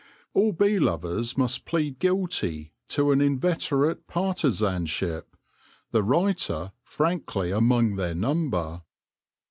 All bee lovers must plead guilty to an inveterate partizanship, the writer frankly among their number.